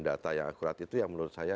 data yang akurat itu yang menurut saya